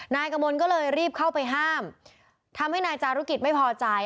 นายกมลก็เลยรีบเข้าไปห้ามทำให้นายจารุกิจไม่พอใจ